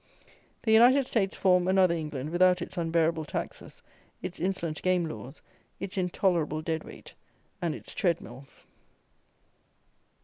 The United States form another England without its unbearable taxes, its insolent game laws, its intolerable dead weight, and its tread mills.